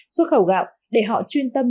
xuất khẩu gạo để họ chuyên tâm